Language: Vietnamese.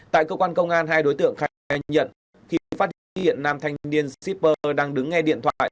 tại cơ quan công an hai đối tượng khai nhận khi phát hiện hiện nam thanh niên shipper đang đứng nghe điện thoại